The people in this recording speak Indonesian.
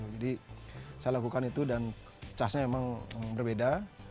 jadi saya lakukan itu dan casnya memang berbeda